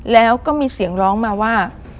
แล้วก็มีเสียงร้องมาว่า